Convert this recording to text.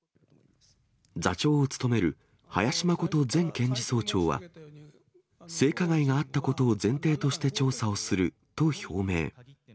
座長を務める林眞琴前検事総長は、性加害があったことを前提として調査をすると、表明。